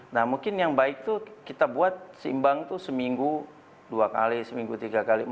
nah mungkin yang baik itu kita buat seimbang itu seminggu dua kali seminggu tiga kali empat